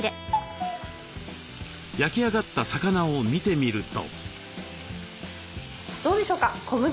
焼き上がった魚を見てみると。